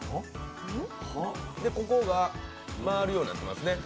ここが回るようになってますね。